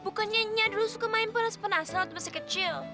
bukannya nyadul suka main panas penaselan sekecil